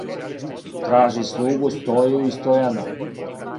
Тражи слугу Стоју и Стојана,